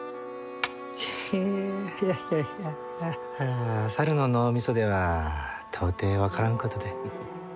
ヘヘッいやいや猿の脳みそでは到底分からんことで。